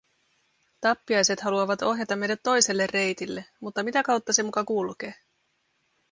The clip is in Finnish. Tappiaiset haluavat ohjata meidät toiselle reitille… Mutta mitä kautta se muka kulkee?